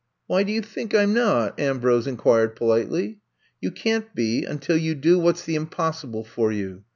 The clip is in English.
Why do you think I 'm not ?'' Ambrose inquired politely. You can't be until you do what 's the impossible for you."